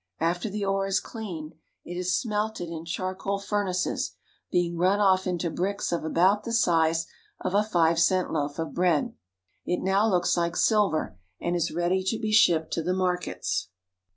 After the ore is cleaned, it is smelted in charcoal furnaces, being run off into bricks of about the size of a five cent loaf of bread. It now looks like silver and is ready to be shipped to the markets.